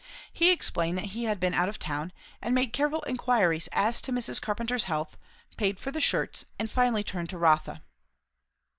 He explained that he had been out of town; made careful inquiries as to Mrs. Carpenter's health; paid for the shirts; and finally turned to Rotha.